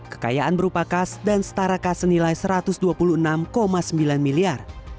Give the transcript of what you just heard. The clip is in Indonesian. kekayaan berupa kas dan setara kas senilai satu ratus dua puluh enam sembilan miliar